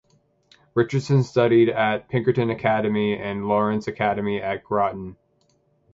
Richardson studied at Pinkerton Academy and Lawrence Academy at Groton.